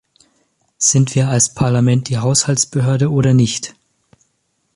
Sind wir als Parlament die Haushaltsbehörde oder nicht?